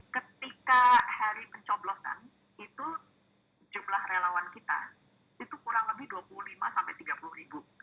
ketika hari pencoblosan jumlah relawan kita kurang lebih dua puluh lima tiga puluh ribu sekitar